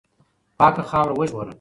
پاکه خاوره وژغوره.